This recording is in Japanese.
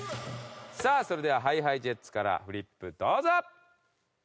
さあそれではＨｉＨｉＪｅｔｓからフリップどうぞ！